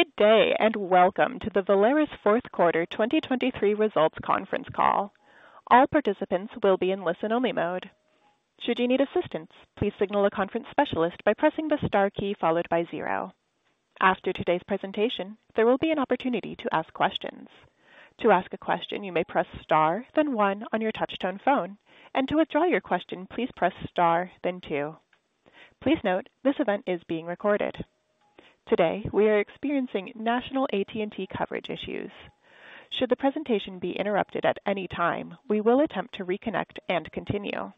Good day and welcome to the Valaris fourth quarter 2023 results conference call. All participants will be in listen-only mode. Should you need assistance, please signal a conference specialist by pressing the star key followed by zero. After today's presentation, there will be an opportunity to ask questions. To ask a question, you may press star, then one on your touch-tone phone, and to withdraw your question, please press star, then two. Please note, this event is being recorded. Today we are experiencing national AT&T coverage issues. Should the presentation be interrupted at any time, we will attempt to reconnect and continue.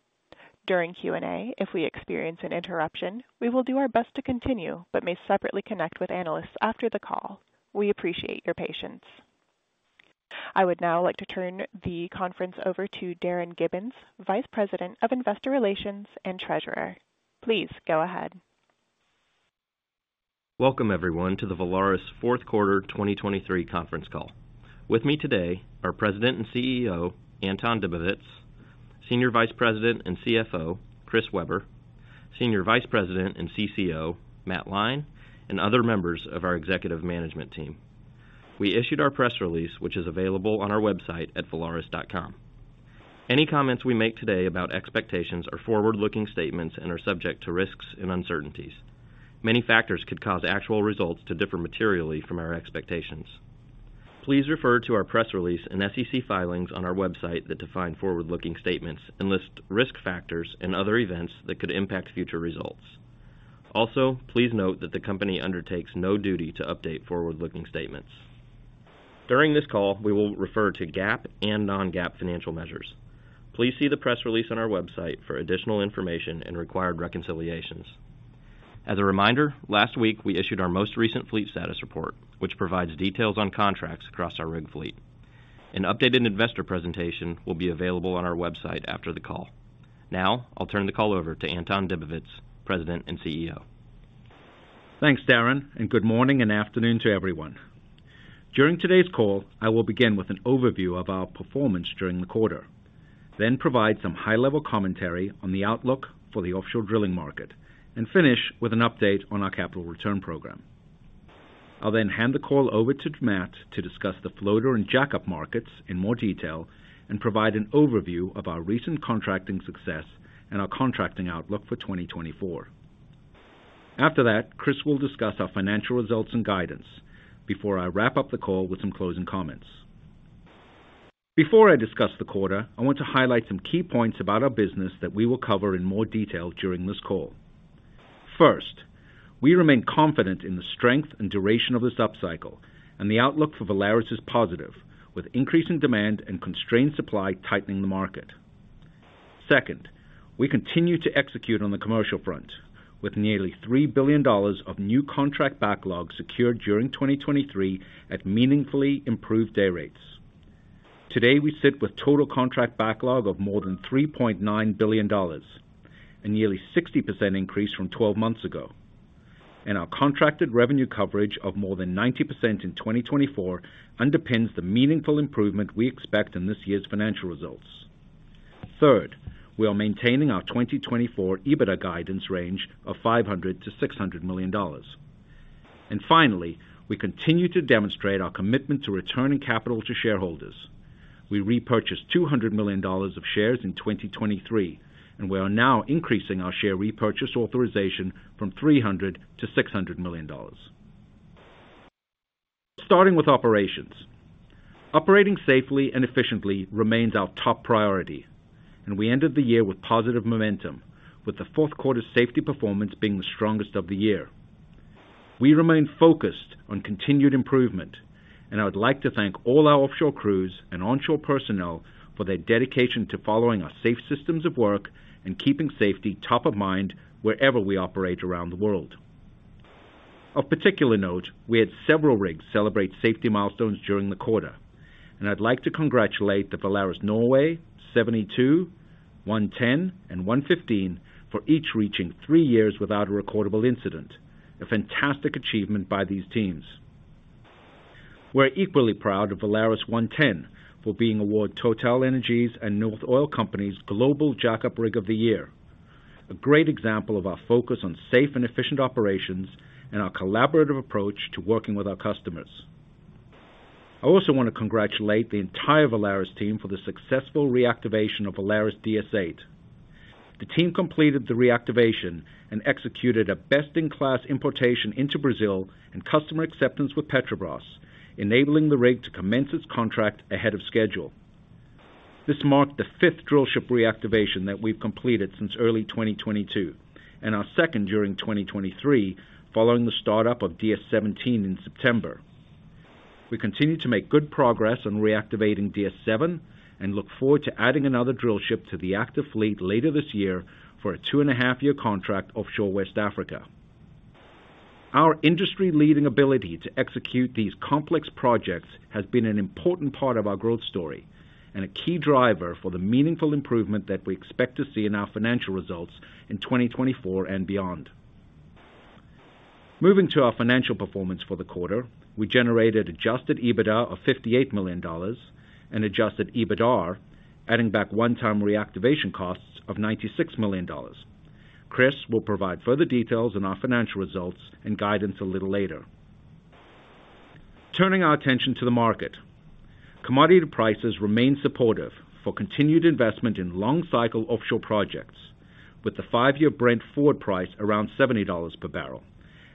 During Q&A, if we experience an interruption, we will do our best to continue but may separately connect with analysts after the call. We appreciate your patience. I would now like to turn the conference over to Darin Gibbins, Vice President of Investor Relations and Treasurer. Please go ahead. Welcome everyone to the Valaris fourth quarter 2023 conference call. With me today are President and CEO Anton Dibowitz, Senior Vice President and CFO Chris Weber, Senior Vice President and CCO Matt Lyne, and other members of our executive management team. We issued our press release, which is available on our website at valaris.com. Any comments we make today about expectations are forward-looking statements and are subject to risks and uncertainties. Many factors could cause actual results to differ materially from our expectations. Please refer to our press release and SEC filings on our website that define forward-looking statements and list risk factors and other events that could impact future results. Also, please note that the company undertakes no duty to update forward-looking statements. During this call, we will refer to GAAP and non-GAAP financial measures. Please see the press release on our website for additional information and required reconciliations. As a reminder, last week we issued our most recent fleet status report, which provides details on contracts across our rig fleet. An updated investor presentation will be available on our website after the call. Now I'll turn the call over to Anton Dibowitz, President and CEO. Thanks, Darin, and good morning and afternoon to everyone. During today's call, I will begin with an overview of our performance during the quarter, then provide some high-level commentary on the outlook for the offshore drilling market, and finish with an update on our capital return program. I'll then hand the call over to Matt to discuss the floater and jackup markets in more detail and provide an overview of our recent contracting success and our contracting outlook for 2024. After that, Chris will discuss our financial results and guidance before I wrap up the call with some closing comments. Before I discuss the quarter, I want to highlight some key points about our business that we will cover in more detail during this call. First, we remain confident in the strength and duration of this upcycle, and the outlook for Valaris is positive, with increasing demand and constrained supply tightening the market. Second, we continue to execute on the commercial front, with nearly $3 billion of new contract backlog secured during 2023 at meaningfully improved day rates. Today we sit with total contract backlog of more than $3.9 billion, a nearly 60% increase from 12 months ago, and our contracted revenue coverage of more than 90% in 2024 underpins the meaningful improvement we expect in this year's financial results. Third, we are maintaining our 2024 EBITDA guidance range of $500-$600 million. And finally, we continue to demonstrate our commitment to returning capital to shareholders. We repurchased $200 million of shares in 2023, and we are now increasing our share repurchase authorization from $300-$600 million. Starting with operations. Operating safely and efficiently remains our top priority, and we ended the year with positive momentum, with the fourth quarter's safety performance being the strongest of the year. We remain focused on continued improvement, and I would like to thank all our offshore crews and onshore personnel for their dedication to following our safe systems of work and keeping safety top of mind wherever we operate around the world. Of particular note, we had several rigs celebrate safety milestones during the quarter, and I'd like to congratulate the Valaris Norway, 72, 110, and 115 for each reaching three years without a recordable incident, a fantastic achievement by these teams. We're equally proud of Valaris 110 for being awarded TotalEnergies and North Oil Company's Global Jackup Rig of the Year, a great example of our focus on safe and efficient operations and our collaborative approach to working with our customers. I also want to congratulate the entire Valaris team for the successful reactivation of Valaris DS-8. The team completed the reactivation and executed a best-in-class importation into Brazil and customer acceptance with Petrobras, enabling the rig to commence its contract ahead of schedule. This marked the fifth drillship reactivation that we've completed since early 2022, and our second during 2023 following the startup of DS-17 in September. We continue to make good progress on reactivating DS-17 and look forward to adding another drillship to the active fleet later this year for a 2.5-year contract offshore West Africa. Our industry-leading ability to execute these complex projects has been an important part of our growth story and a key driver for the meaningful improvement that we expect to see in our financial results in 2024 and beyond. Moving to our financial performance for the quarter, we generated adjusted EBITDA of $58 million and adjusted EBITDAR, adding back one-time reactivation costs of $96 million. Chris will provide further details on our financial results and guidance a little later. Turning our attention to the market. Commodity prices remain supportive for continued investment in long-cycle offshore projects, with the five-year Brent Forward Price around $70 per barrel,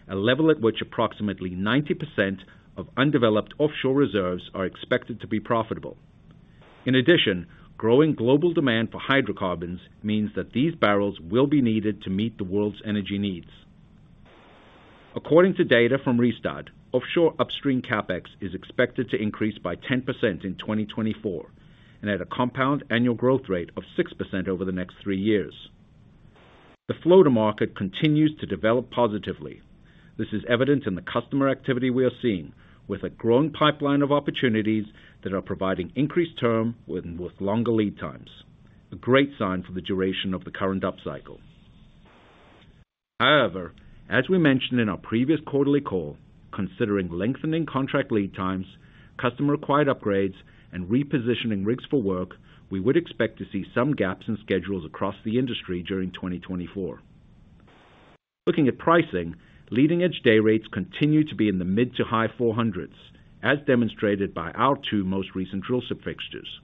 a level at which approximately 90% of undeveloped offshore reserves are expected to be profitable. In addition, growing global demand for hydrocarbons means that these barrels will be needed to meet the world's energy needs. According to data from Rystad, offshore upstream CapEx is expected to increase by 10% in 2024 and at a compound annual growth rate of 6% over the next three years. The floater market continues to develop positively. This is evident in the customer activity we are seeing, with a growing pipeline of opportunities that are providing increased term with longer lead times, a great sign for the duration of the current upcycle. However, as we mentioned in our previous quarterly call, considering lengthening contract lead times, customer-acquired upgrades, and repositioning rigs for work, we would expect to see some gaps in schedules across the industry during 2024. Looking at pricing, leading-edge day rates continue to be in the mid- to high-400s, as demonstrated by our two most recent drillship fixtures,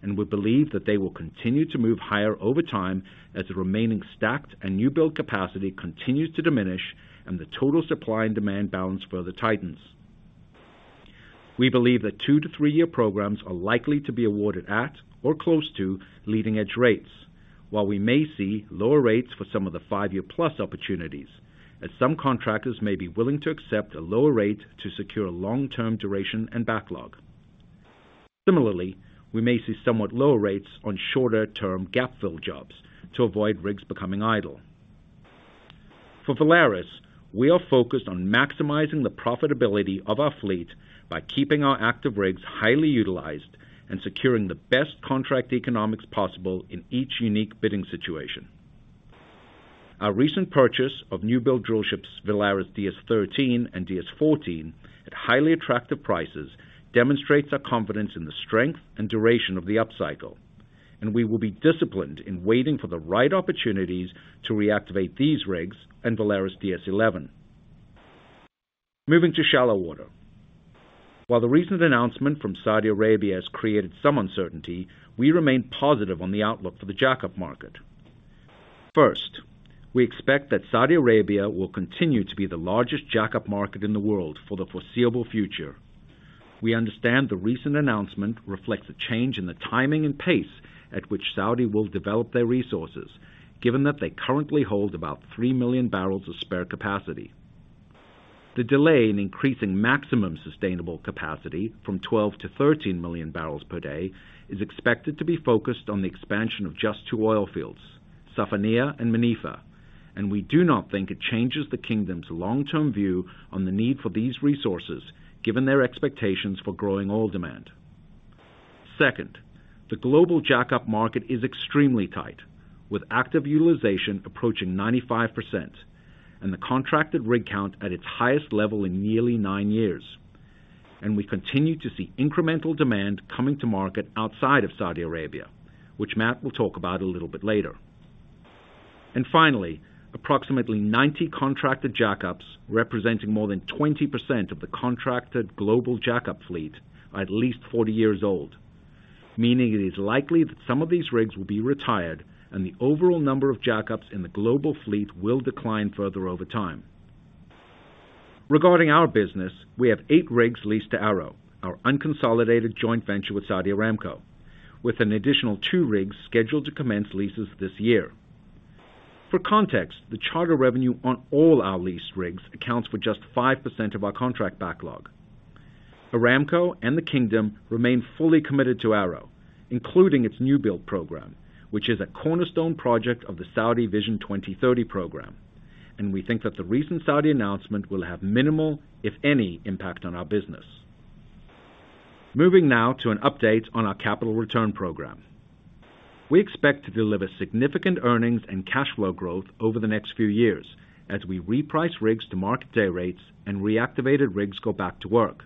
and we believe that they will continue to move higher over time as the remaining stacked and new-built capacity continues to diminish and the total supply and demand balance further tightens. We believe that 2-3-year programs are likely to be awarded at or close to leading-edge rates, while we may see lower rates for some of the 5-year-plus opportunities, as some contractors may be willing to accept a lower rate to secure long-term duration and backlog. Similarly, we may see somewhat lower rates on shorter-term gap-fill jobs to avoid rigs becoming idle. For Valaris, we are focused on maximizing the profitability of our fleet by keeping our active rigs highly utilized and securing the best contract economics possible in each unique bidding situation. Our recent purchase of new-built drillships Valaris DS-13 and DS-14 at highly attractive prices demonstrates our confidence in the strength and duration of the upcycle, and we will be disciplined in waiting for the right opportunities to reactivate these rigs and Valaris DS-11. Moving to shallow water. While the recent announcement from Saudi Arabia has created some uncertainty, we remain positive on the outlook for the jackup market. First, we expect that Saudi Arabia will continue to be the largest jackup market in the world for the foreseeable future. We understand the recent announcement reflects a change in the timing and pace at which Saudi will develop their resources, given that they currently hold about 3 million barrels of spare capacity. The delay in increasing maximum sustainable capacity from 12 to 13 million barrels per day is expected to be focused on the expansion of just two oil fields, Safaniya and Manifa, and we do not think it changes the kingdom's long-term view on the need for these resources, given their expectations for growing oil demand. Second, the global jackup market is extremely tight, with active utilization approaching 95% and the contracted rig count at its highest level in nearly nine years, and we continue to see incremental demand coming to market outside of Saudi Arabia, which Matt will talk about a little bit later. Finally, approximately 90 contracted jackups representing more than 20% of the contracted global jackup fleet are at least 40 years old, meaning it is likely that some of these rigs will be retired and the overall number of jackups in the global fleet will decline further over time. Regarding our business, we have 8 rigs leased to ARO, our unconsolidated joint venture with Saudi Aramco, with an additional 2 rigs scheduled to commence leases this year. For context, the charter revenue on all our leased rigs accounts for just 5% of our contract backlog. Aramco and the kingdom remain fully committed to ARO, including its new-built program, which is a cornerstone project of the Saudi Vision 2030 program, and we think that the recent Saudi announcement will have minimal, if any, impact on our business. Moving now to an update on our capital return program. We expect to deliver significant earnings and cash flow growth over the next few years as we reprice rigs to market day rates and reactivated rigs go back to work,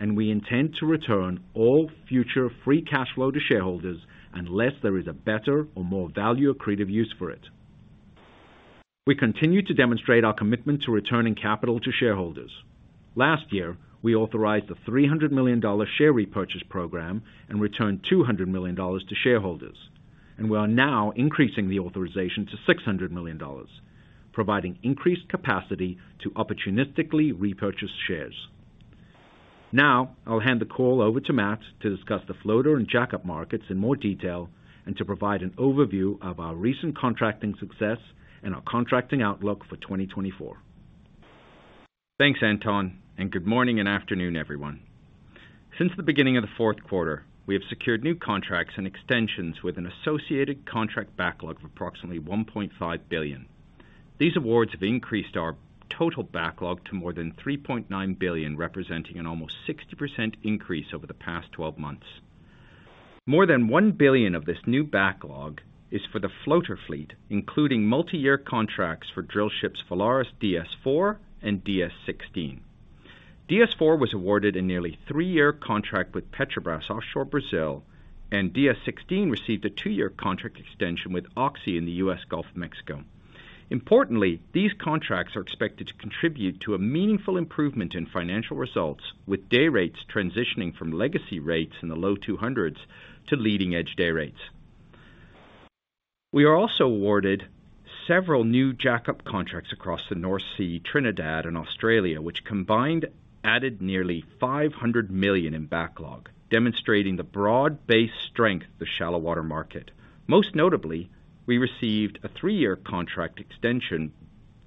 and we intend to return all future free cash flow to shareholders unless there is a better or more value-accretive use for it. We continue to demonstrate our commitment to returning capital to shareholders. Last year, we authorized the $300 million share repurchase program and returned $200 million to shareholders, and we are now increasing the authorization to $600 million, providing increased capacity to opportunistically repurchase shares. Now I'll hand the call over to Matt to discuss the floater and jackup markets in more detail and to provide an overview of our recent contracting success and our contracting outlook for 2024. Thanks, Anton, and good morning and afternoon, everyone. Since the beginning of the fourth quarter, we have secured new contracts and extensions with an associated contract backlog of approximately $1.5 billion. These awards have increased our total backlog to more than $3.9 billion, representing an almost 60% increase over the past 12 months. More than $1 billion of this new backlog is for the floater fleet, including multi-year contracts for drillships Valaris DS-4 and DS-16. DS-4 was awarded a nearly three-year contract with Petrobras offshore Brazil, and DS-16 received a two-year contract extension with Oxy in the U.S. Gulf of Mexico. Importantly, these contracts are expected to contribute to a meaningful improvement in financial results, with day rates transitioning from legacy rates in the low 200s to leading-edge day rates. We are also awarded several new jackup contracts across the North Sea, Trinidad, and Australia, which combined added nearly $500 million in backlog, demonstrating the broad-based strength of the shallow water market. Most notably, we received a three-year contract extension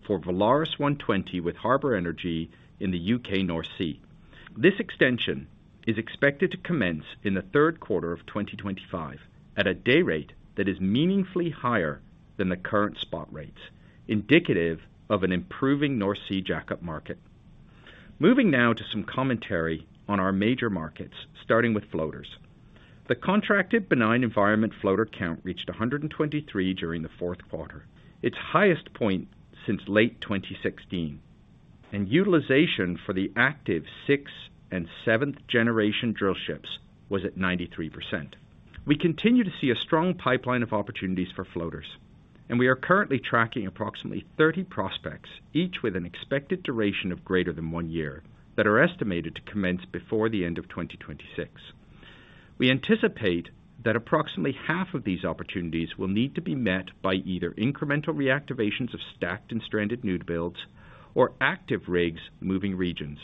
for Valaris 120 with Harbour Energy in the U.K. North Sea. This extension is expected to commence in the third quarter of 2025 at a day rate that is meaningfully higher than the current spot rates, indicative of an improving North Sea jackup market. Moving now to some commentary on our major markets, starting with floaters. The contracted benign environment floater count reached 123 during the fourth quarter, its highest point since late 2016, and utilization for the active sixth and seventh-generation drillships was at 93%. We continue to see a strong pipeline of opportunities for floaters, and we are currently tracking approximately 30 prospects, each with an expected duration of greater than one year, that are estimated to commence before the end of 2026. We anticipate that approximately half of these opportunities will need to be met by either incremental reactivations of stacked and stranded new builds or active rigs moving regions.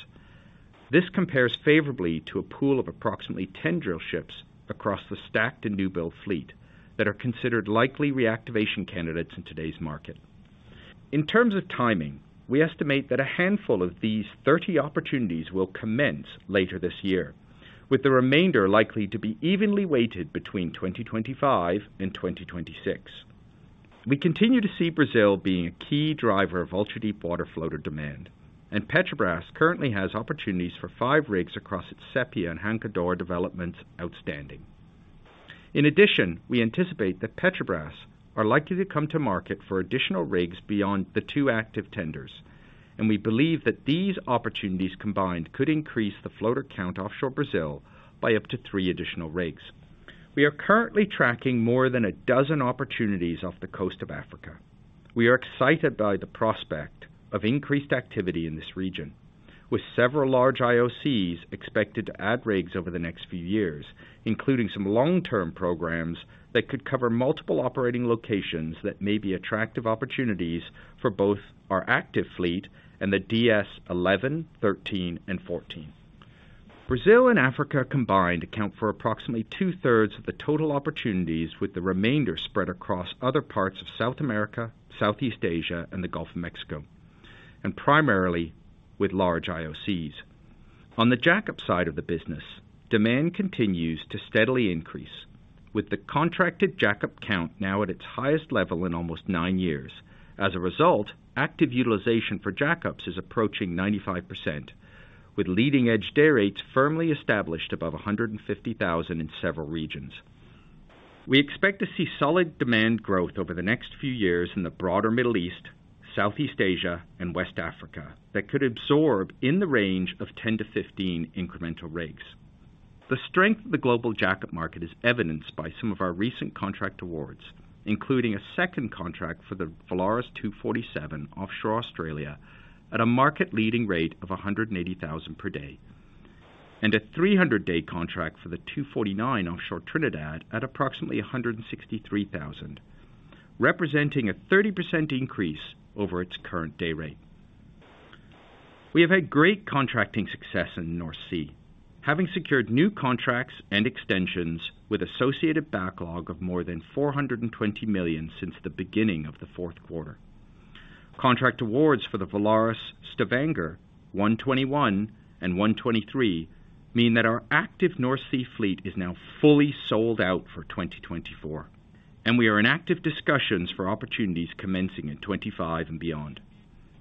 This compares favorably to a pool of approximately 10 drillships across the stacked and new-built fleet that are considered likely reactivation candidates in today's market. In terms of timing, we estimate that a handful of these 30 opportunities will commence later this year, with the remainder likely to be evenly weighted between 2025 and 2026. We continue to see Brazil being a key driver of ultra-deepwater floater demand, and Petrobras currently has opportunities for 5 rigs across its Sepia and Roncador developments outstanding. In addition, we anticipate that Petrobras are likely to come to market for additional rigs beyond the two active tenders, and we believe that these opportunities combined could increase the floater count offshore Brazil by up to 3 additional rigs. We are currently tracking more than 12 opportunities off the coast of Africa. We are excited by the prospect of increased activity in this region, with several large IOCs expected to add rigs over the next few years, including some long-term programs that could cover multiple operating locations that may be attractive opportunities for both our active fleet and the DS-11, DS-13, and DS-14. Brazil and Africa combined account for approximately two-thirds of the total opportunities, with the remainder spread across other parts of South America, Southeast Asia, and the Gulf of Mexico, and primarily with large IOCs. On the jackup side of the business, demand continues to steadily increase, with the contracted jackup count now at its highest level in almost nine years. As a result, active utilization for jackups is approaching 95%, with leading-edge day rates firmly established above $150,000 in several regions. We expect to see solid demand growth over the next few years in the broader Middle East, Southeast Asia, and West Africa that could absorb in the range of 10-15 incremental rigs. The strength of the global jackup market is evidenced by some of our recent contract awards, including a second contract for the Valaris 247 offshore Australia at a market-leading rate of $180,000 per day, and a 300-day contract for the 249 offshore Trinidad at approximately $163,000, representing a 30% increase over its current day rate. We have had great contracting success in the North Sea, having secured new contracts and extensions with associated backlog of more than $420 million since the beginning of the fourth quarter. Contract awards for the Valaris Stavanger, 121 and 123 mean that our active North Sea fleet is now fully sold out for 2024, and we are in active discussions for opportunities commencing in 2025 and beyond.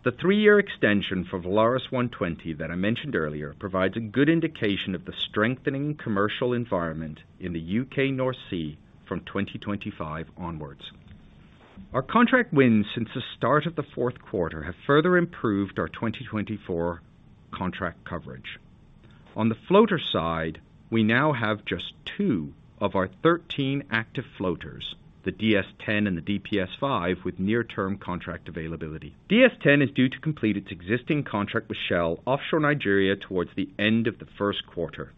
The three-year extension for Valaris 120 that I mentioned earlier provides a good indication of the strengthening commercial environment in the U.K. North Sea from 2025 onwards. Our contract wins since the start of the fourth quarter have further improved our 2024 contract coverage. On the floater side, we now have just two of our 13 active floaters, the DS-10 and the DPS-5, with near-term contract availability. DS-10 is due to complete its existing contract with Shell offshore Nigeria towards the end of the first quarter,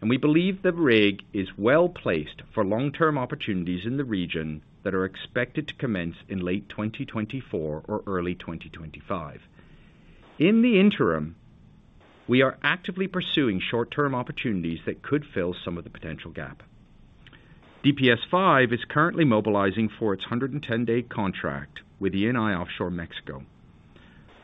and we believe the rig is well-placed for long-term opportunities in the region that are expected to commence in late 2024 or early 2025. In the interim, we are actively pursuing short-term opportunities that could fill some of the potential gap. DPS-5 is currently mobilizing for its 110-day contract with Eni offshore Mexico.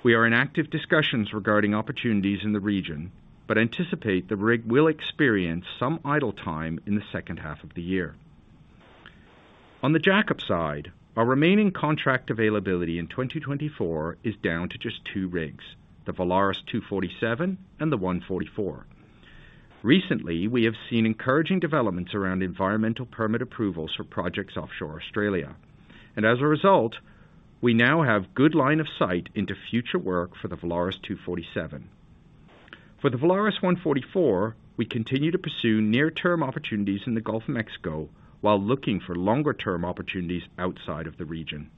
We are in active discussions regarding opportunities in the region but anticipate the rig will experience some idle time in the second half of the year. On the jackup side, our remaining contract availability in 2024 is down to just two rigs, the Valaris 247 and the 144. Recently, we have seen encouraging developments around environmental permit approvals for projects offshore Australia, and as a result, we now have good line of sight into future work for the Valaris 247. For the Valaris 144, we continue to pursue near-term opportunities in the Gulf of Mexico while looking for longer-term opportunities outside of the region.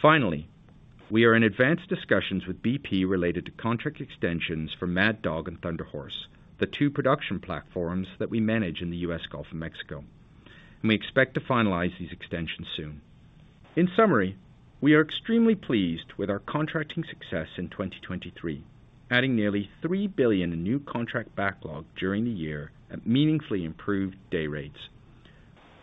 Finally, we are in advanced discussions with BP related to contract extensions for Mad Dog and Thunder Horse, the two production platforms that we manage in the U.S. Gulf of Mexico, and we expect to finalize these extensions soon. In summary, we are extremely pleased with our contracting success in 2023, adding nearly $3 billion in new contract backlog during the year at meaningfully improved day rates.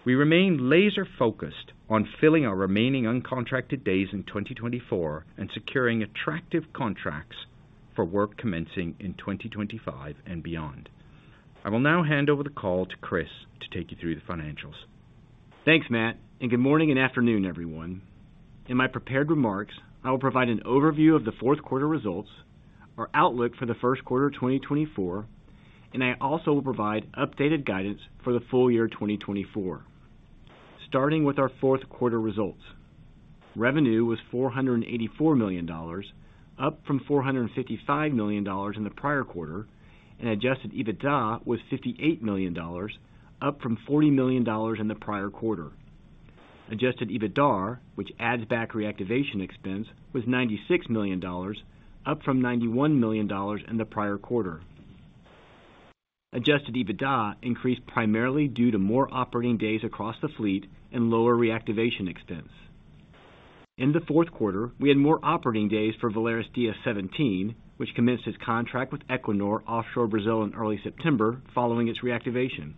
We remain laser-focused on filling our remaining uncontracted days in 2024 and securing attractive contracts for work commencing in 2025 and beyond. I will now hand over the call to Chris to take you through the financials. Thanks, Matt, and good morning and afternoon, everyone. In my prepared remarks, I will provide an overview of the fourth quarter results, our outlook for the first quarter of 2024, and I also will provide updated guidance for the full year 2024. Starting with our fourth quarter results. Revenue was $484 million, up from $455 million in the prior quarter, and adjusted EBITDA was $58 million, up from $40 million in the prior quarter. Adjusted EBITDA, which adds back reactivation expense, was $96 million, up from $91 million in the prior quarter. Adjusted EBITDA increased primarily due to more operating days across the fleet and lower reactivation expense. In the fourth quarter, we had more operating days for Valaris DS-17, which commenced its contract with Equinor offshore Brazil in early September following its reactivation.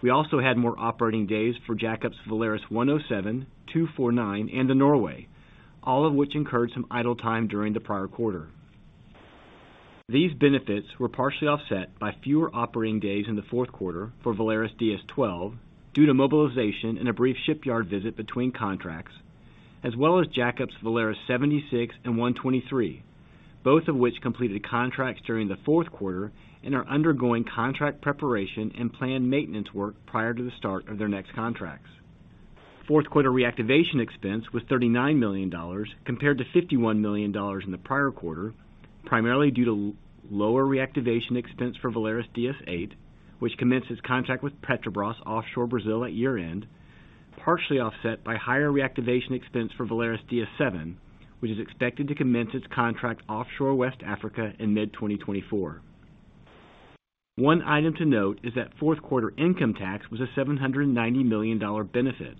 We also had more operating days for jackups Valaris 107, 249, and Valaris Norway, all of which incurred some idle time during the prior quarter. These benefits were partially offset by fewer operating days in the fourth quarter for Valaris DS-12 due to mobilization and a brief shipyard visit between contracts, as well as jackups Valaris 76 and 123, both of which completed contracts during the fourth quarter and are undergoing contract preparation and planned maintenance work prior to the start of their next contracts. Fourth quarter reactivation expense was $39 million compared to $51 million in the prior quarter, primarily due to lower reactivation expense for Valaris DS-8, which commenced its contract with Petrobras offshore Brazil at year-end, partially offset by higher reactivation expense for Valaris DS-7, which is expected to commence its contract offshore West Africa in mid-2024. One item to note is that fourth quarter income tax was a $790 million benefit.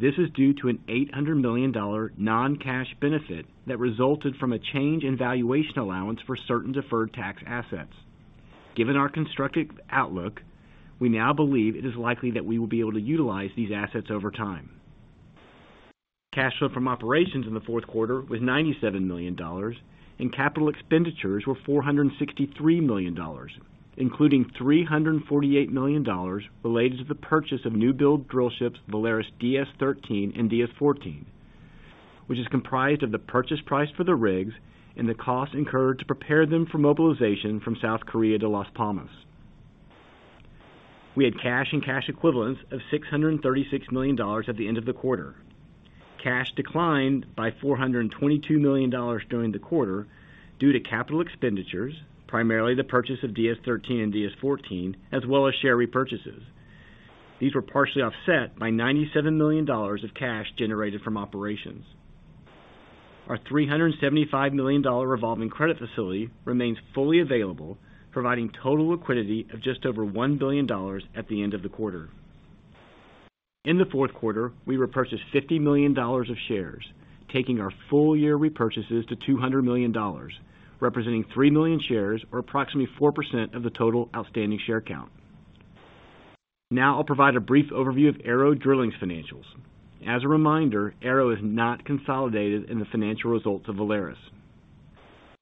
This is due to an $800 million non-cash benefit that resulted from a change in valuation allowance for certain deferred tax assets. Given our constructed outlook, we now believe it is likely that we will be able to utilize these assets over time. Cash flow from operations in the fourth quarter was $97 million, and capital expenditures were $463 million, including $348 million related to the purchase of new-built drillships Valaris DS-13 and DS-14, which is comprised of the purchase price for the rigs and the cost incurred to prepare them for mobilization from South Korea to Las Palmas. We had cash and cash equivalents of $636 million at the end of the quarter. Cash declined by $422 million during the quarter due to capital expenditures, primarily the purchase of DS-13 and DS-14, as well as share repurchases. These were partially offset by $97 million of cash generated from operations. Our $375 million revolving credit facility remains fully available, providing total liquidity of just over $1 billion at the end of the quarter. In the fourth quarter, we repurchased $50 million of shares, taking our full-year repurchases to $200 million, representing 3 million shares or approximately 4% of the total outstanding share count. Now I'll provide a brief overview of ARO Drilling's financials. As a reminder, ARO is not consolidated in the financial results of Valaris.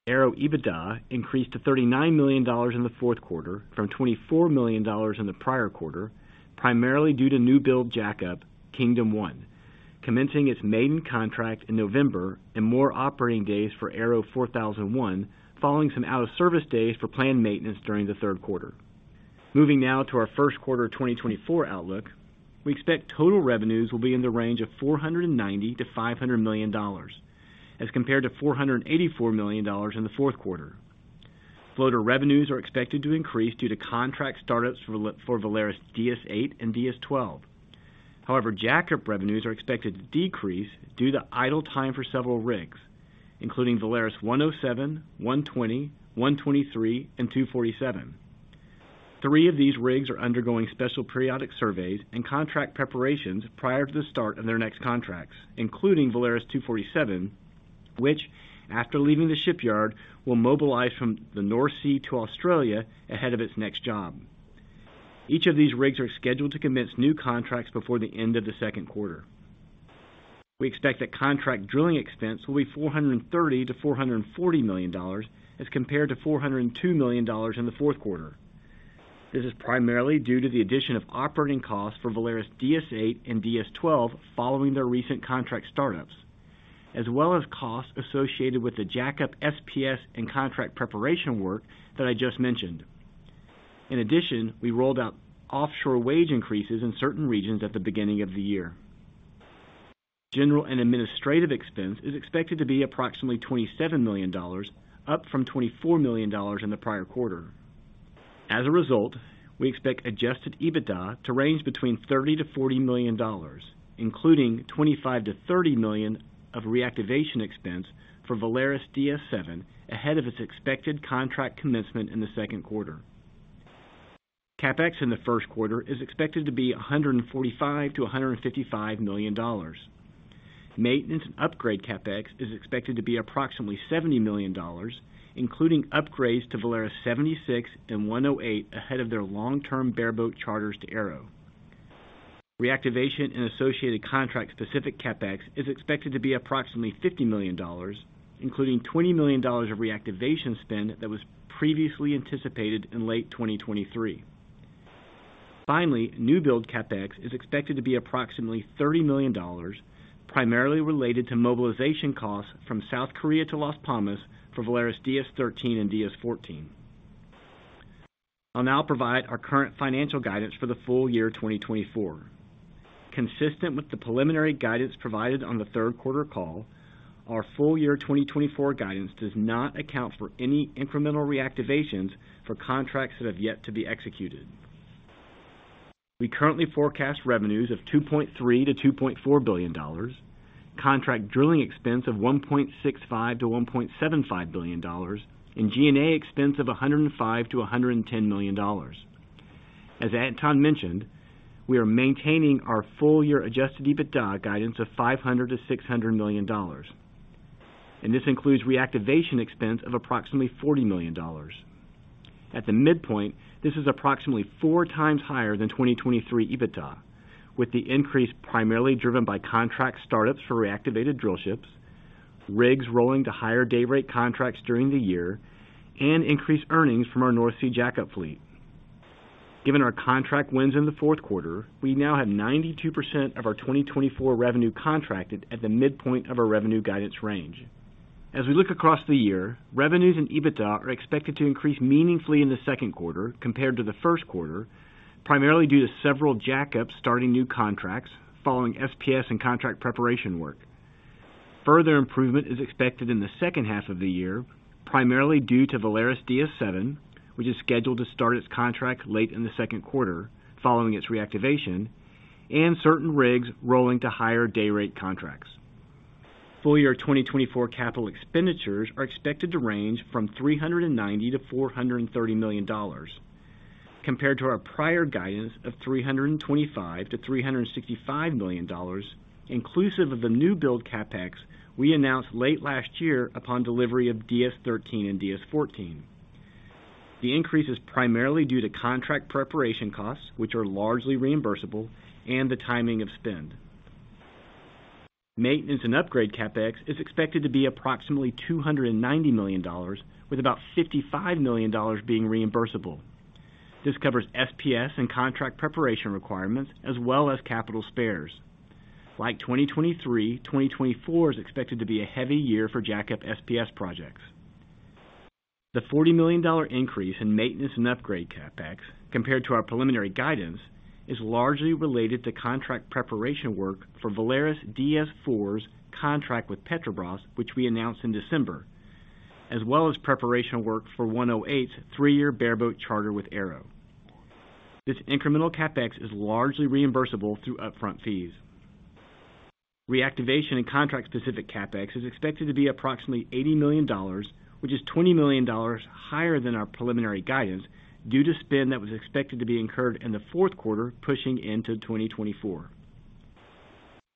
ARO EBITDA increased to $39 million in the fourth quarter from $24 million in the prior quarter, primarily due to newbuild jackup Kingdom 1, commencing its maiden contract in November and more operating days for ARO 4001 following some out-of-service days for planned maintenance during the third quarter. Moving now to our first quarter 2024 outlook, we expect total revenues will be in the range of $490-$500 million as compared to $484 million in the fourth quarter. Floater revenues are expected to increase due to contract startups for Valaris DS-8 and DS-12. However, jackup revenues are expected to decrease due to idle time for several rigs, including Valaris 107, 120, 123, and 247. Three of these rigs are undergoing special periodic surveys and contract preparations prior to the start of their next contracts, including Valaris 247, which, after leaving the shipyard, will mobilize from the North Sea to Australia ahead of its next job. Each of these rigs are scheduled to commence new contracts before the end of the second quarter. We expect that contract drilling expense will be $430-$440 million as compared to $402 million in the fourth quarter. This is primarily due to the addition of operating costs for Valaris DS-8 and DS-12 following their recent contract startups, as well as costs associated with the jackup SPS and contract preparation work that I just mentioned. In addition, we rolled out offshore wage increases in certain regions at the beginning of the year. General and administrative expense is expected to be approximately $27 million, up from $24 million in the prior quarter. As a result, we expect adjusted EBITDA to range between $30-$40 million, including $25-$30 million of reactivation expense for Valaris DS-7 ahead of its expected contract commencement in the second quarter. CapEx in the first quarter is expected to be $145-$155 million. Maintenance and upgrade capEx is expected to be approximately $70 million, including upgrades to Valaris 76 and 108 ahead of their long-term bareboat charters to ARO. Reactivation and associated contract-specific CapEx is expected to be approximately $50 million, including $20 million of reactivation spend that was previously anticipated in late 2023. Finally, newbuild CapEx is expected to be approximately $30 million, primarily related to mobilization costs from South Korea to Las Palmas for Valaris DS-13 and DS-14. I'll now provide our current financial guidance for the full year 2024. Consistent with the preliminary guidance provided on the third quarter call, our full year 2024 guidance does not account for any incremental reactivations for contracts that have yet to be executed. We currently forecast revenues of $2.3-$2.4 billion, contract drilling expense of $1.65-$1.75 billion, and G&A expense of $105-$110 million. As Anton mentioned, we are maintaining our full-year adjusted EBITDA guidance of $500-$600 million, and this includes reactivation expense of approximately $40 million. At the midpoint, this is approximately four times higher than 2023 EBITDA, with the increase primarily driven by contract startups for reactivated drillships, rigs rolling to higher day-rate contracts during the year, and increased earnings from our North Sea jackup fleet. Given our contract wins in the fourth quarter, we now have 92% of our 2024 revenue contracted at the midpoint of our revenue guidance range. As we look across the year, revenues and EBITDA are expected to increase meaningfully in the second quarter compared to the first quarter, primarily due to several jackups starting new contracts following SPS and contract preparation work. Further improvement is expected in the second half of the year, primarily due to Valaris DS-7, which is scheduled to start its contract late in the second quarter following its reactivation, and certain rigs rolling to higher day-rate contracts. Full year 2024 capital expenditures are expected to range from $390-$430 million. Compared to our prior guidance of $325-$365 million, inclusive of the new-built CapEx we announced late last year upon delivery of DS-13 and DS-14, the increase is primarily due to contract preparation costs, which are largely reimbursable, and the timing of spend. Maintenance and upgrade CapEx is expected to be approximately $290 million, with about $55 million being reimbursable. This covers SPS and contract preparation requirements as well as capital spares. Like 2023, 2024 is expected to be a heavy year for jackup SPS projects. The $40 million increase in maintenance and upgrade CapEx, compared to our preliminary guidance, is largely related to contract preparation work for Valaris DS-4's contract with Petrobras, which we announced in December, as well as preparation work for 108's three-year bareboat charter with ARO. This incremental CapEx is largely reimbursable through upfront fees. Reactivation and contract-specific CapEx is expected to be approximately $80 million, which is $20 million higher than our preliminary guidance due to spend that was expected to be incurred in the fourth quarter pushing into 2024.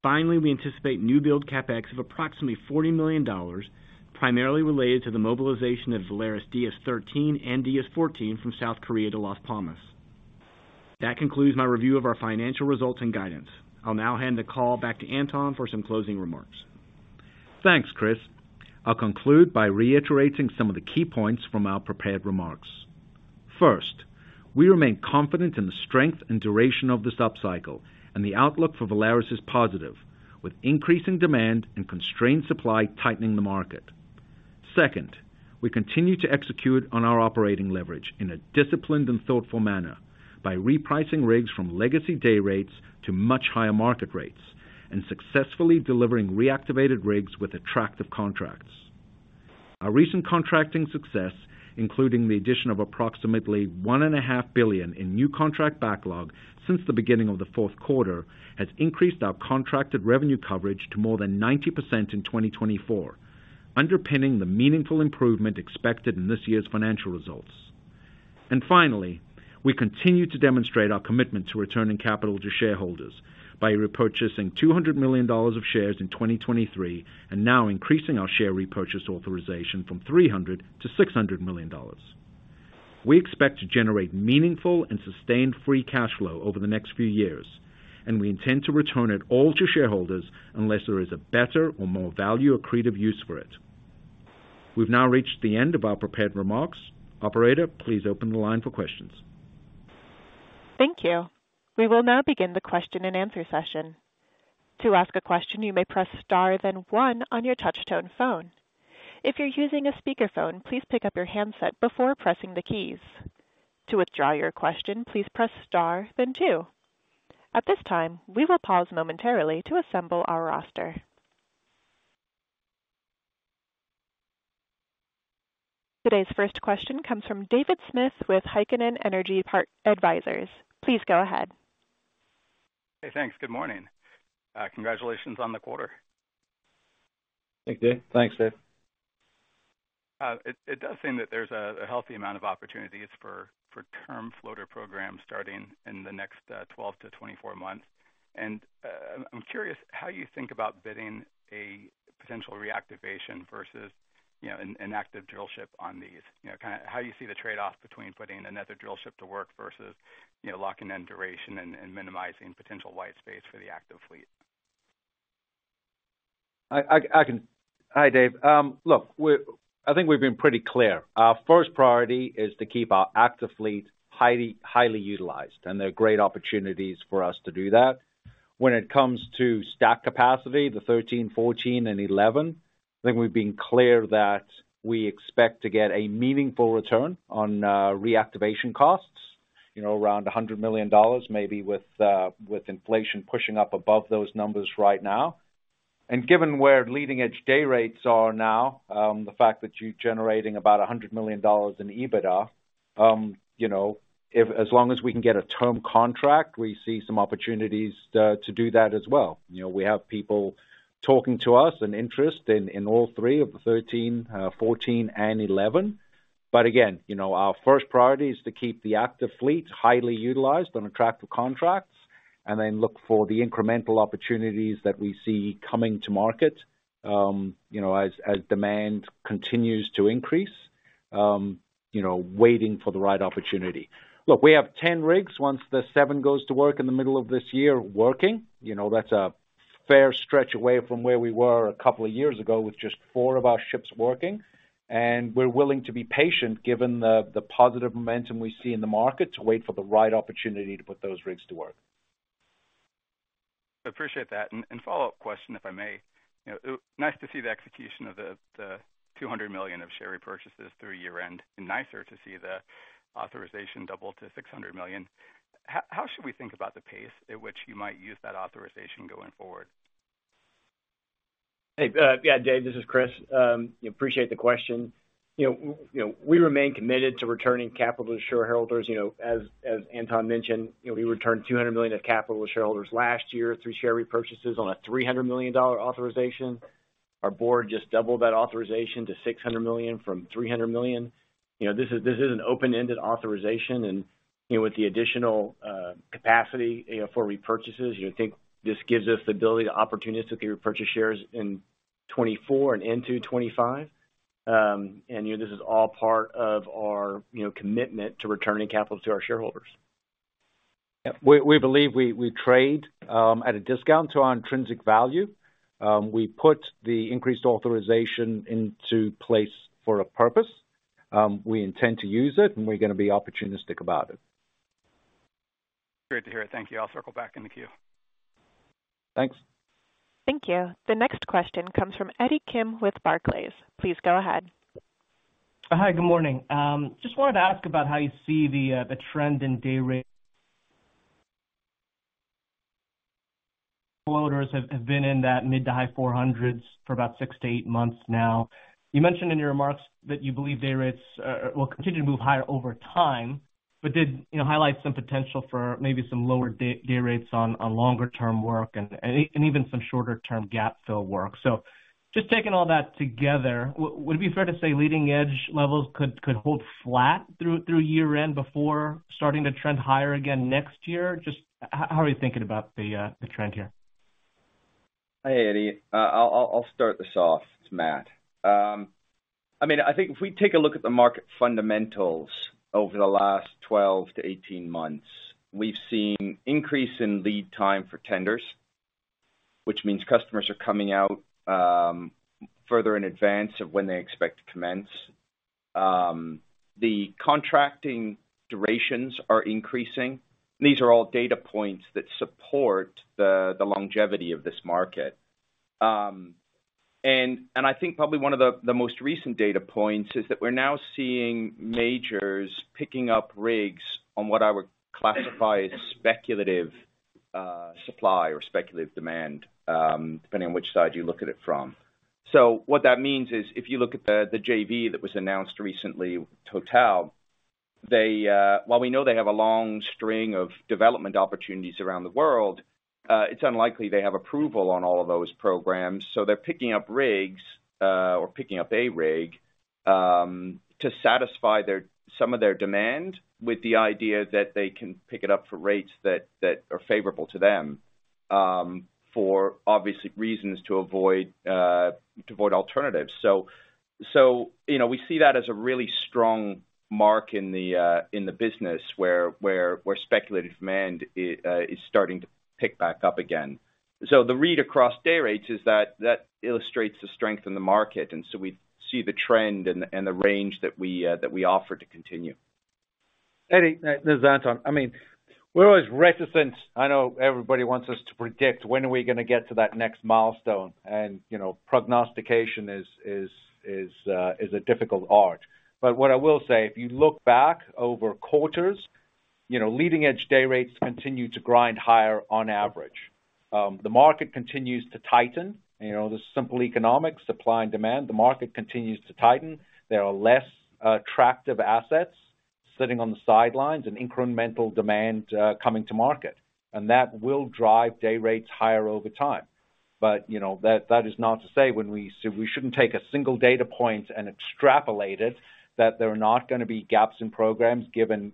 Finally, we anticipate new-built CapEx of approximately $40 million, primarily related to the mobilization of Valaris DS-13 and DS-14 from South Korea to Las Palmas. That concludes my review of our financial results and guidance. I'll now hand the call back to Anton for some closing remarks. Thanks, Chris. I'll conclude by reiterating some of the key points from our prepared remarks. First, we remain confident in the strength and duration of this upcycle, and the outlook for Valaris is positive, with increasing demand and constrained supply tightening the market. Second, we continue to execute on our operating leverage in a disciplined and thoughtful manner by repricing rigs from legacy day rates to much higher market rates and successfully delivering reactivated rigs with attractive contracts. Our recent contracting success, including the addition of approximately $1.5 billion in new contract backlog since the beginning of the fourth quarter, has increased our contracted revenue coverage to more than 90% in 2024, underpinning the meaningful improvement expected in this year's financial results. Finally, we continue to demonstrate our commitment to returning capital to shareholders by repurchasing $200 million of shares in 2023 and now increasing our share repurchase authorization from $300-$600 million. We expect to generate meaningful and sustained free cash flow over the next few years, and we intend to return it all to shareholders unless there is a better or more value accretive use for it. We've now reached the end of our prepared remarks. Operator, please open the line for questions. Thank you. We will now begin the question-and-answer session. To ask a question, you may press star then one on your touch-tone phone. If you're using a speakerphone, please pick up your handset before pressing the keys. To withdraw your question, please press star then two. At this time, we will pause momentarily to assemble our roster. Today's first question comes from David Smith with Heikkinen Energy Advisors. Please go ahead. Hey, thanks. Good morning. Congratulations on the quarter. Thank you. Thanks, Dave. It does seem that there's a healthy amount of opportunities for term floater programs starting in the next 12-24 months. I'm curious how you think about bidding a potential reactivation versus an active drillship on these? How do you see the trade-off between putting another drillship to work versus locking in duration and minimizing potential white space for the active fleet? Hi, Dave. Look, I think we've been pretty clear. Our first priority is to keep our active fleet highly utilized, and there are great opportunities for us to do that. When it comes to stack capacity, the 13, 14, and 11, I think we've been clear that we expect to get a meaningful return on reactivation costs, around $100 million, maybe with inflation pushing up above those numbers right now. And given where leading-edge day rates are now, the fact that you're generating about $100 million in EBITDA, as long as we can get a term contract, we see some opportunities to do that as well. We have people talking to us and interest in all three of the 13, 14, and 11. But again, our first priority is to keep the active fleet highly utilized on attractive contracts and then look for the incremental opportunities that we see coming to market as demand continues to increase, waiting for the right opportunity. Look, we have 10 rigs. Once the 7 goes to work in the middle of this year, that's a fair stretch away from where we were a couple of years ago with just 4 of our ships working. We're willing to be patient given the positive momentum we see in the market to wait for the right opportunity to put those rigs to work. I appreciate that. Follow-up question, if I may. Nice to see the execution of the $200 million of share repurchases through year-end. Nicer to see the authorization double to $600 million. How should we think about the pace at which you might use that authorization going forward? Hey, yeah, Dave. This is Chris. Appreciate the question. We remain committed to returning capital to shareholders. As Anton mentioned, we returned $200 million of capital to shareholders last year through share repurchases on a $300 million authorization. Our board just doubled that authorization to $600 million from $300 million. This is an open-ended authorization, and with the additional capacity for repurchases, I think this gives us the ability to opportunistically repurchase shares in 2024 and into 2025. And this is all part of our commitment to returning capital to our shareholders. We believe we trade at a discount to our intrinsic value. We put the increased authorization into place for a purpose. We intend to use it, and we're going to be opportunistic about it. Great to hear it. Thank you. I'll circle back in the queue. Thanks. Thank you. The next question comes from Eddie Kim with Barclays. Please go ahead. Hi, good morning. Just wanted to ask about how you see the trend in day rates. Floaters have been in that mid- to high-$400s for about 6-8 months now. You mentioned in your remarks that you believe day rates will continue to move higher over time, but did highlight some potential for maybe some lower day rates on longer-term work and even some shorter-term gap-fill work. So just taking all that together, would it be fair to say leading-edge levels could hold flat through year-end before starting to trend higher again next year? How are you thinking about the trend here? Hi, Eddie. I'll start this off. It's Matt. I mean, I think if we take a look at the market fundamentals over the last 12-18 months, we've seen an increase in lead time for tenders, which means customers are coming out further in advance of when they expect to commence. The contracting durations are increasing. These are all data points that support the longevity of this market. And I think probably one of the most recent data points is that we're now seeing majors picking up rigs on what I would classify as speculative supply or speculative demand, depending on which side you look at it from. So what that means is if you look at the JV that was announced recently, Total, while we know they have a long string of development opportunities around the world, it's unlikely they have approval on all of those programs. So they're picking up rigs or picking up a rig to satisfy some of their demand with the idea that they can pick it up for rates that are favorable to them for, obviously, reasons to avoid alternatives. So we see that as a really strong mark in the business where speculative demand is starting to pick back up again. So the read across day rates is that illustrates the strength in the market. And so we see the trend and the range that we offer to continue. Eddie, there's Anton. I mean, we're always reticent. I know everybody wants us to predict when are we going to get to that next milestone, and prognostication is a difficult art. But what I will say, if you look back over quarters, leading-edge day rates continue to grind higher on average. The market continues to tighten. There's simple economics, supply and demand. The market continues to tighten. There are less attractive assets sitting on the sidelines and incremental demand coming to market. And that will drive day rates higher over time. But that is not to say, when we shouldn't take a single data point and extrapolate it, that there are not going to be gaps in programs given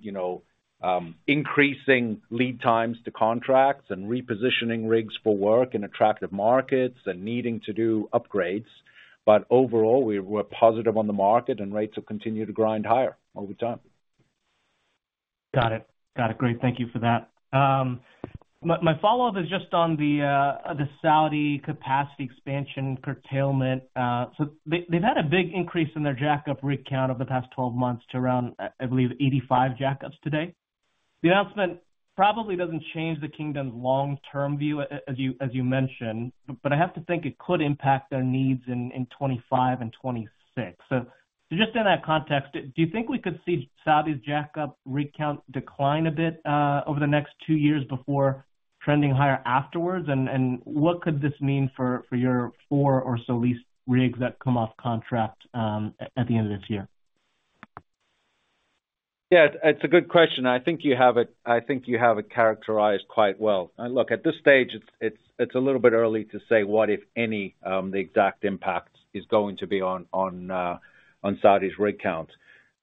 increasing lead times to contracts and repositioning rigs for work in attractive markets and needing to do upgrades. But overall, we're positive on the market, and rates will continue to grind higher over time. Got it. Got it. Great. Thank you for that. My follow-up is just on the Saudi capacity expansion curtailment. So they've had a big increase in their jackup rig count over the past 12 months to around, I believe, 85 jackups today. The announcement probably doesn't change the kingdom's long-term view, as you mentioned, but I have to think it could impact their needs in 2025 and 2026. So just in that context, do you think we could see Saudi's jackup rig count decline a bit over the next two years before trending higher afterwards? And what could this mean for your four or so leased rigs that come off contract at the end of this year? Yeah, it's a good question. I think you have it characterized quite well. Look, at this stage, it's a little bit early to say what, if any, the exact impact is going to be on Saudi's rig count.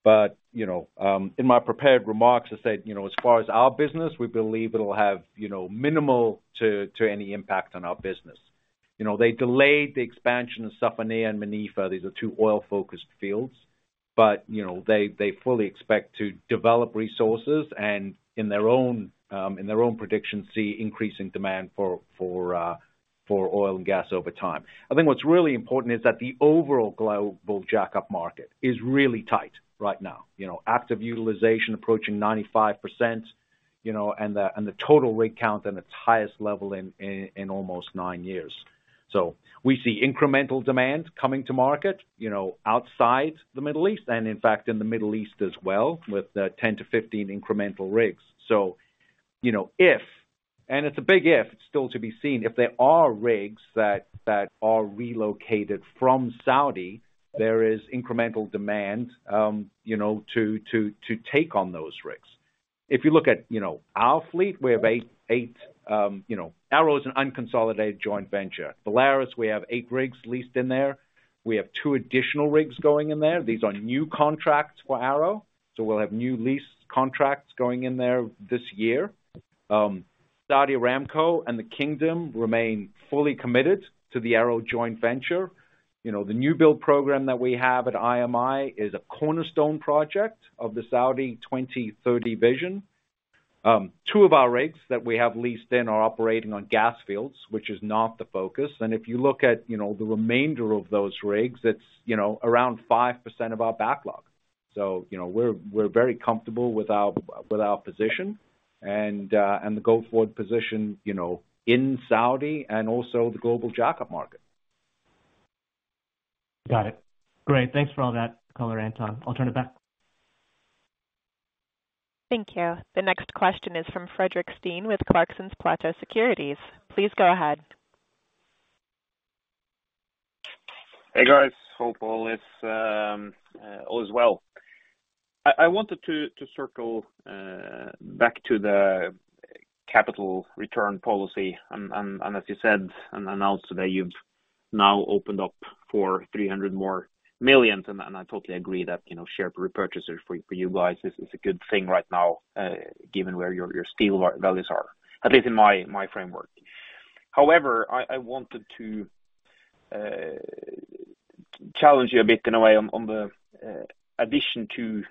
But in my prepared remarks, I said, as far as our business, we believe it'll have minimal to any impact on our business. They delayed the expansion of Safaniya and Manifa. These are two oil-focused fields, but they fully expect to develop resources and, in their own prediction, see increasing demand for oil and gas over time. I think what's really important is that the overall global jackup market is really tight right now, active utilization approaching 95% and the total rig count at its highest level in almost nine years. So we see incremental demand coming to market outside the Middle East and, in fact, in the Middle East as well with 10-15 incremental rigs. So if and it's a big if. It's still to be seen. If there are rigs that are relocated from Saudi, there is incremental demand to take on those rigs. If you look at our fleet, we have eight. ARO is an unconsolidated joint venture. Valaris, we have eight rigs leased in there. We have two additional rigs going in there. These are new contracts for ARO. So we'll have new leased contracts going in there this year. Saudi Aramco and the kingdom remain fully committed to the ARO joint venture. The new build program that we have at IMI is a cornerstone project of the Saudi Vision 2030. Two of our rigs that we have leased in are operating on gas fields, which is not the focus. If you look at the remainder of those rigs, it's around 5% of our backlog. We're very comfortable with our position and the go-forward position in Saudi and also the global jackup market. Got it. Great. Thanks for all that, color, Anton. I'll turn it back. Thank you. The next question is from Fredrik Stene with Clarksons Platou Securities. Please go ahead. Hey, guys. Hope all is well. I wanted to circle back to the capital return policy. As you said and announced today, you've now opened up for $300 million. I totally agree that share repurchases for you guys is a good thing right now given where your stock values are, at least in my framework. However, I wanted to challenge you a bit in a way on the addition to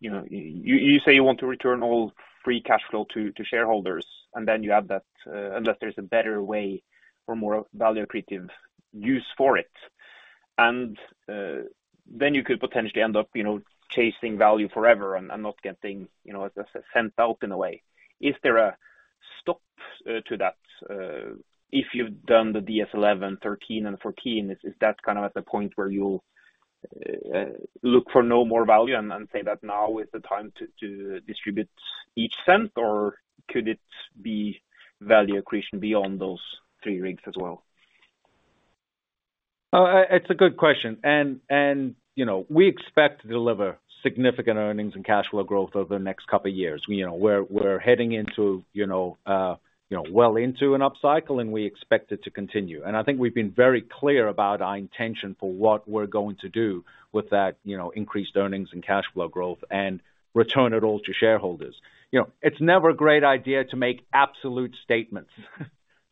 you say you want to return all free cash flow to shareholders, and then you add that unless there's a better way or more value-creating use for it. And then you could potentially end up chasing value forever and not getting it sent out in a way. Is there a stop to that? If you've done the DS-11, DS-13, and DS-14, is that kind of at the point where you'll look for no more value and say that now is the time to distribute each cent, or could it be value accretion beyond those three rigs as well? It's a good question. We expect to deliver significant earnings and cash flow growth over the next couple of years. We're heading well into an upcycle, and we expect it to continue. I think we've been very clear about our intention for what we're going to do with that increased earnings and cash flow growth and return it all to shareholders. It's never a great idea to make absolute statements,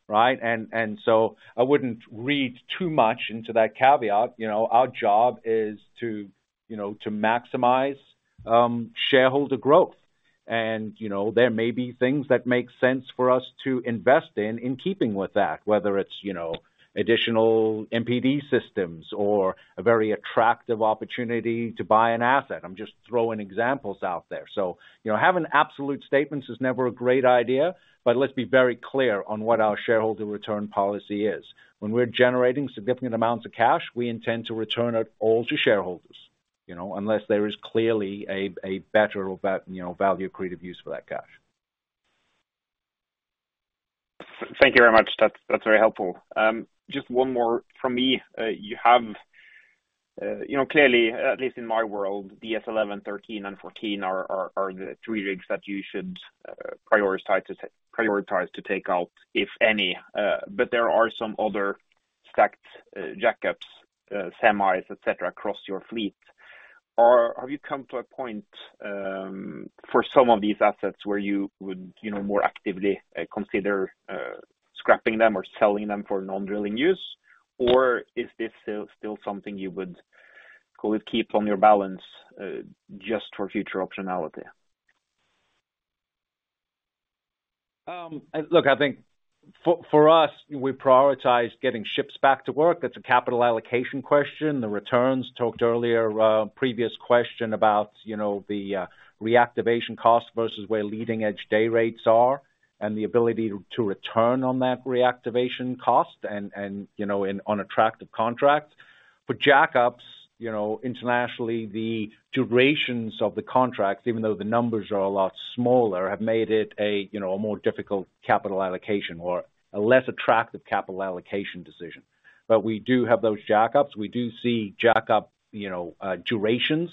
right? I wouldn't read too much into that caveat. Our job is to maximize shareholder growth. There may be things that make sense for us to invest in keeping with that, whether it's additional MPD systems or a very attractive opportunity to buy an asset. I'm just throwing examples out there. Having absolute statements is never a great idea. But let's be very clear on what our shareholder return policy is. When we're generating significant amounts of cash, we intend to return it all to shareholders unless there is clearly a better value-creative use for that cash. Thank you very much. That's very helpful. Just one more from me. You have clearly, at least in my world, DS11, 13, and 14 are the three rigs that you should prioritize to take out, if any. But there are some other stacked jackups, semis, etc., across your fleet. Have you come to a point for some of these assets where you would more actively consider scrapping them or selling them for non-drilling use? Or is this still something you would, call it, keep on your balance just for future optionality? Look, I think for us, we prioritize getting ships back to work. That's a capital allocation question. The returns talked earlier, previous question about the reactivation cost versus where leading-edge day rates are and the ability to return on that reactivation cost on attractive contracts. For jackups, internationally, the durations of the contracts, even though the numbers are a lot smaller, have made it a more difficult capital allocation or a less attractive capital allocation decision. But we do have those jackups. We do see jackup durations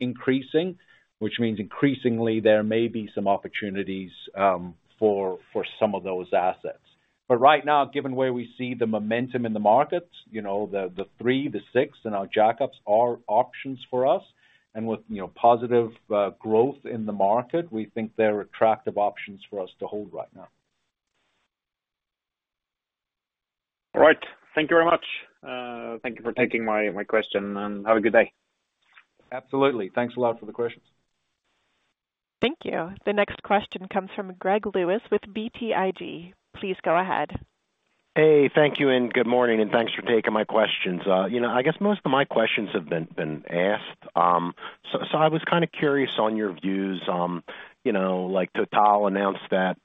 increasing, which means increasingly, there may be some opportunities for some of those assets. But right now, given where we see the momentum in the markets, the three, the six, and our jackups are options for us. And with positive growth in the market, we think they're attractive options for us to hold right now. All right. Thank you very much. Thank you for taking my question, and have a good day. Absolutely. Thanks a lot for the questions. Thank you. The next question comes from Greg Lewis with BTIG. Please go ahead. Hey, thank you, and good morning, and thanks for taking my questions. I guess most of my questions have been asked. So I was kind of curious on your views. Total announced that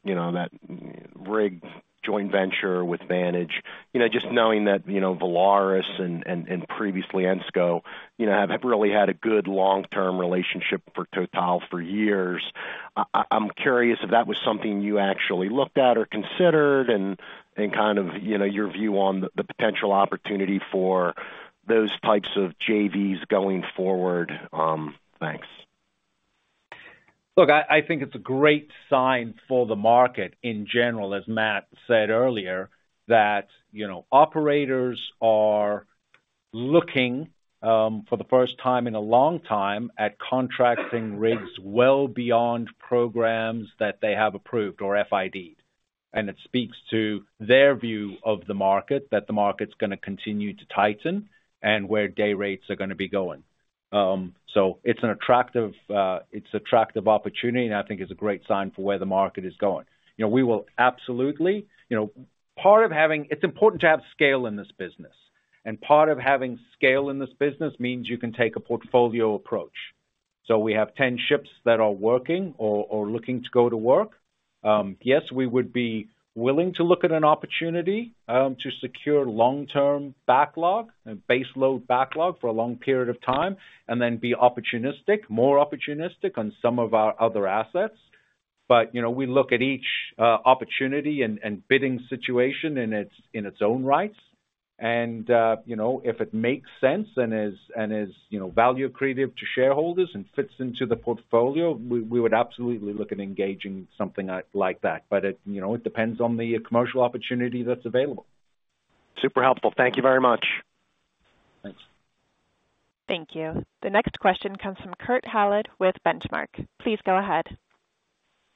rig joint venture with Vantage. Just knowing that Valaris and previously Ensco have really had a good long-term relationship for Total for years, I'm curious if that was something you actually looked at or considered and kind of your view on the potential opportunity for those types of JVs going forward. Thanks. Look, I think it's a great sign for the market in general, as Matt said earlier, that operators are looking for the first time in a long time at contracting rigs well beyond programs that they have approved or FIDed. And it speaks to their view of the market, that the market's going to continue to tighten and where day rates are going to be going. So it's an attractive opportunity, and I think it's a great sign for where the market is going. We will absolutely part of having it's important to have scale in this business. And part of having scale in this business means you can take a portfolio approach. So we have 10 ships that are working or looking to go to work. Yes, we would be willing to look at an opportunity to secure long-term backlog, baseload backlog for a long period of time, and then be opportunistic, more opportunistic on some of our other assets. But we look at each opportunity and bidding situation in its own rights. And if it makes sense and is value-creative to shareholders and fits into the portfolio, we would absolutely look at engaging something like that. But it depends on the commercial opportunity that's available. Super helpful. Thank you very much. Thanks. Thank you. The next question comes from Kurt Hallead with Benchmark. Please go ahead.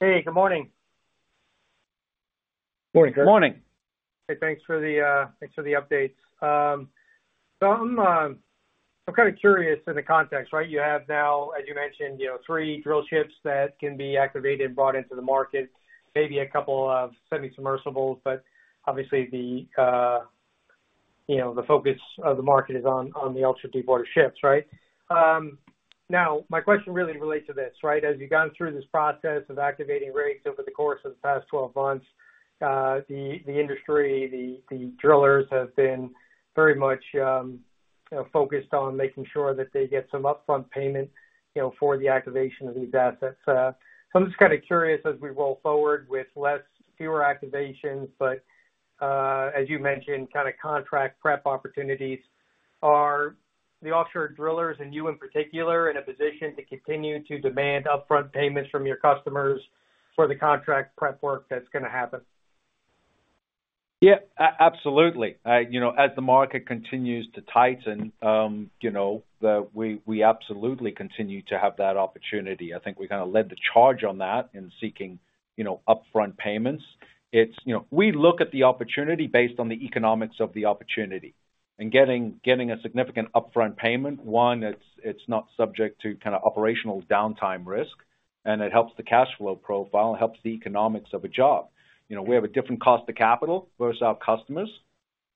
Hey, good morning. Morning, Kurt. Morning. Hey, thanks for the updates. So I'm kind of curious in the context, right? You have now, as you mentioned, 3 drillships that can be activated and brought into the market, maybe a couple of semisubmersibles. But obviously, the focus of the market is on the ultra-deepwater ships, right? Now, my question really relates to this, right? As you've gone through this process of activating rigs over the course of the past 12 months, the industry, the drillers, have been very much focused on making sure that they get some upfront payment for the activation of these assets. So I'm just kind of curious as we roll forward with fewer activations. But as you mentioned, kind of contract prep opportunities. Are the offshore drillers and you in particular in a position to continue to demand upfront payments from your customers for the contract prep work that's going to happen? Yeah, absolutely. As the market continues to tighten, we absolutely continue to have that opportunity. I think we kind of led the charge on that in seeking upfront payments. We look at the opportunity based on the economics of the opportunity. And getting a significant upfront payment, one, it's not subject to kind of operational downtime risk, and it helps the cash flow profile. It helps the economics of a job. We have a different cost of capital versus our customers.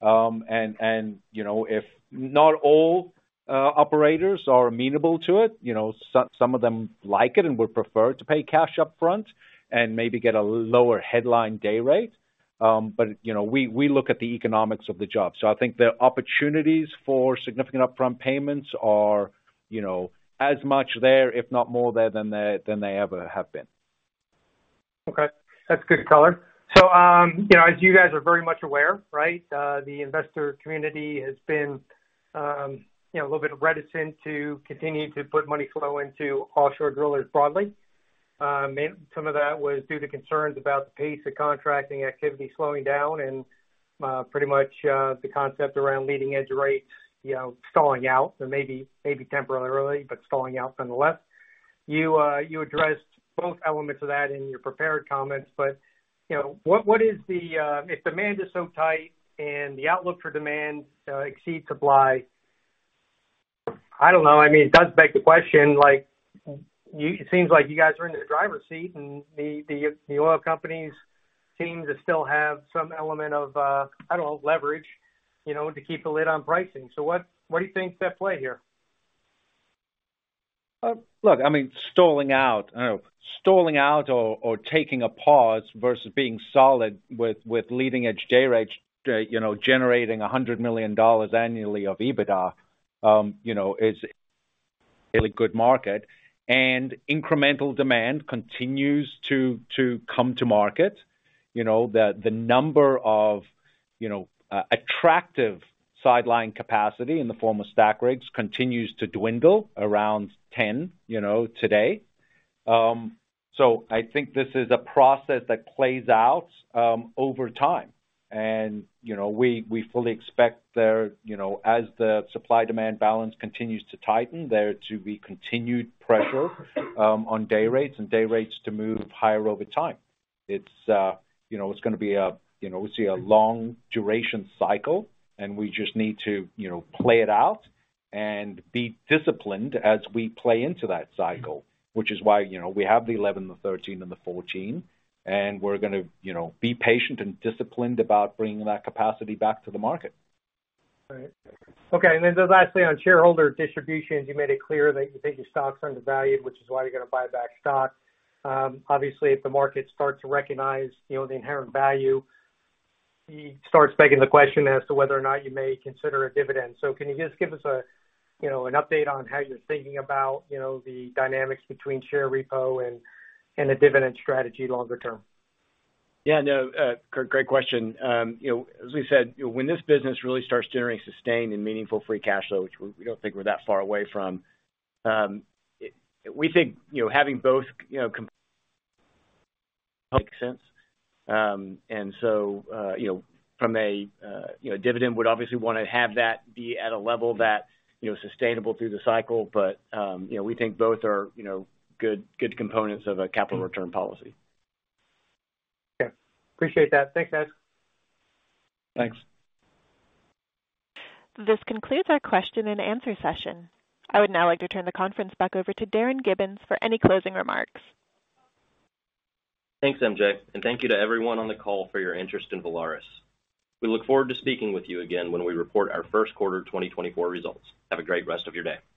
And if not all operators are amenable to it, some of them like it and would prefer to pay cash upfront and maybe get a lower headline day rate. But we look at the economics of the job. So I think the opportunities for significant upfront payments are as much there, if not more there, than they ever have been. Okay. That's good color. So as you guys are very much aware, right, the investor community has been a little bit reticent to continue to put money flow into offshore drillers broadly. Some of that was due to concerns about the pace of contracting activity slowing down and pretty much the concept around leading-edge rates stalling out, maybe temporarily, but stalling out nonetheless. You addressed both elements of that in your prepared comments. But what is the—if demand is so tight and the outlook for demand exceeds supply—I don't know. I mean, it does beg the question. It seems like you guys are in the driver's seat, and the oil companies seem to still have some element of, I don't know, leverage to keep a lid on pricing. So what do you think's at play here? Look, I mean, stalling out? I don't know. Stalling out or taking a pause versus being solid with leading-edge day rates generating $100 million annually of EBITDA is a really good market. And incremental demand continues to come to market. The number of attractive sideline capacity in the form of stacked rigs continues to dwindle around 10 today. So I think this is a process that plays out over time. And we fully expect there, as the supply-demand balance continues to tighten, there to be continued pressure on day rates and day rates to move higher over time. It's going to be a we see a long-duration cycle, and we just need to play it out and be disciplined as we play into that cycle, which is why we have the 11, the 13, and the 14. We're going to be patient and disciplined about bringing that capacity back to the market. Right. Okay. And then there's actually on shareholder distributions, you made it clear that you think your stock's undervalued, which is why you're going to buy back stock. Obviously, if the market starts to recognize the inherent value, it starts begging the question as to whether or not you may consider a dividend. So can you just give us an update on how you're thinking about the dynamics between share repo and a dividend strategy longer term? Yeah. No, Kurt, great question. As we said, when this business really starts generating sustained and meaningful free cash flow, which we don't think we're that far away from, we think having both makes sense. And so from a dividend, we'd obviously want to have that be at a level that's sustainable through the cycle. But we think both are good components of a capital return policy. Okay. Appreciate that. Thanks, Matt. Thanks. This concludes our question-and-answer session. I would now like to turn the conference back over to Darin Gibbins for any closing remarks. Thanks, MJ. Thank you to everyone on the call for your interest in Valaris. We look forward to speaking with you again when we report our first quarter 2024 results. Have a great rest of your day.